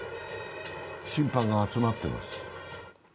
審判が集まってます。